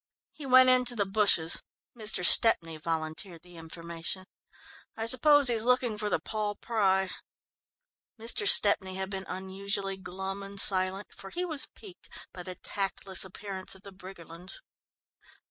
"He went into the bushes." Mr. Stepney volunteered the information. "I suppose he's looking for the Paul Pry." Mr. Stepney had been unusually glum and silent, for he was piqued by the tactless appearance of the Briggerlands.